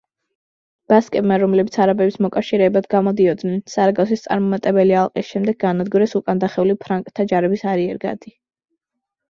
ბასკებმა, რომლებიც არაბების მოკავშირეებად გამოდიოდნენ, სარაგოსის წარუმატებელი ალყის შემდეგ გაანადგურეს უკანდახეული ფრანკთა ჯარების არიერგარდი.